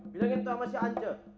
bilangin tuh sama si anjir